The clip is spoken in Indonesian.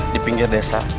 di pinggir desa